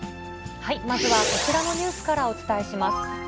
まずはこちらのニュースからお伝えします。